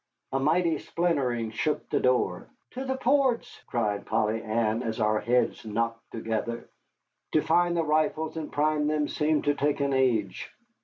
A mighty splintering shook the door. "To the ports!" cried Polly Ann, as our heads knocked together. To find the rifles and prime them seemed to take an age.